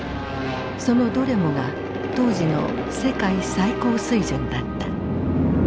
そのどれもが当時の世界最高水準だった。